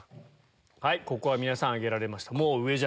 ここは皆さん挙げられました。